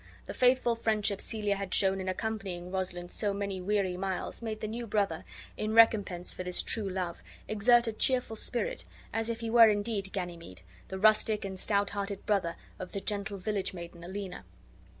The faithful friendship Celia had shown in accompanying Rosalind so many weary miles made the new brother, in recompense for this true love, exert a cheerful spirit, as if he were indeed Ganymede, the rustic and stout hearted brother of the gentle village maiden, Aliena.